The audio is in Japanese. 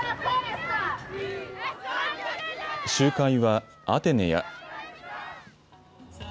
集会はアテネや。